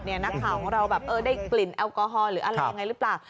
นักข่าวของเราแบบได้กลิ่นแอลกอฮอลหรืออะไรยังไงหรือเปล่า